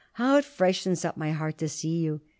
How it freshens up my heart to see you!"